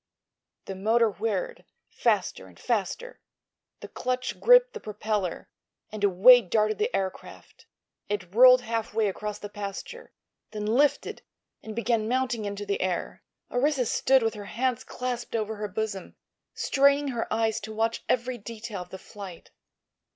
The motor whirred—faster and faster—the clutch gripped the propeller, and away darted the aircraft. It rolled half way across the pasture, then lifted and began mounting into the air. Orissa stood with her hands clasped over her bosom, straining her eyes to watch every detail of the flight.